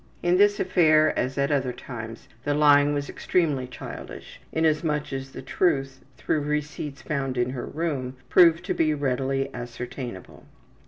In this affair, as at other times, the lying was extremely childish, inasmuch as the truth, through receipts found in her room, proved to be readily ascertainable.